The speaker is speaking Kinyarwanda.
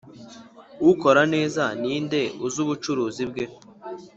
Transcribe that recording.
akora neza ninde uzi ubucuruzi bwe.